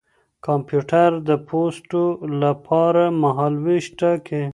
کمپيوټر د پوسټو له پاره مهالوېش ټاکي.